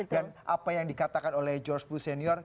dan apa yang dikatakan oleh george blue senior